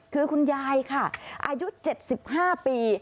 คือคุณยายค่ะอายุ๗๕ปี